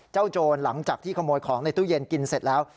โจรหลังจากที่ขโมยของในตู้เย็นกินเสร็จแล้ว